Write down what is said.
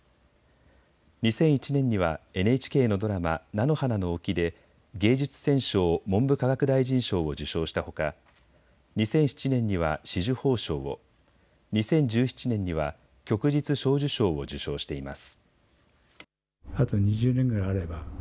２００１年にはＮＨＫのドラマ、菜の花の沖で芸術選奨文部科学大臣賞を受賞したほか２００７年には紫綬褒章を、２０１７年には旭日小綬章を受章しています。